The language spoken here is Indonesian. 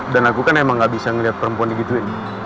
dan aku kan emang gak bisa ngeliat perempuan itu gitu ya